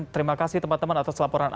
terima kasih teman teman atas laporan anda